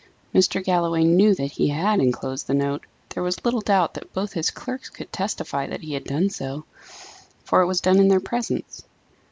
Mr. Galloway knew that he had enclosed the note; there was little doubt that both his clerks could testify that he had done so, for it was done in their presence.